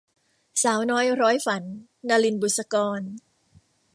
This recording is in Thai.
สาวน้อยร้อยฝัน - นลิน บุษกร